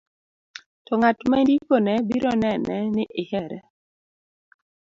to ng'at ma indiko ne biro nene ni ihere